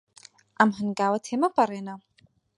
ئەم هەنگاوە تێمەپەڕێنە.